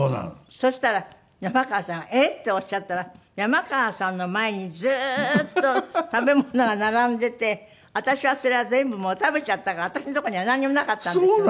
そしたら山川さんが「えっ？」っておっしゃったら山川さんの前にずーっと食べ物が並んでて私はそれは全部もう食べちゃったから私の所にはなんにもなかったんですよね。